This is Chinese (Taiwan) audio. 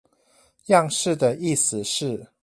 樣式的意思是？